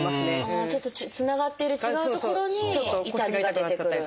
ちょっとつながっている違う所に痛みが出てくる。